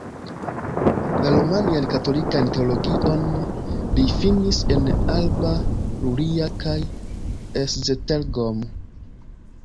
La romian katolikan teologion li finis en Alba Iulia kaj Esztergom.